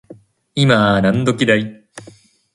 今何時だい